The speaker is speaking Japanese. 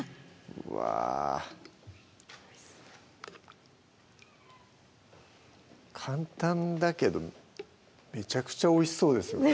うわ簡単だけどめちゃくちゃおいしそうですよね